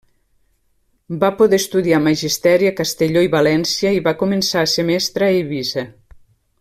Va poder estudiar magisteri Castelló i València, i va començar a ser mestra a Eivissa.